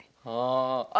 ああ。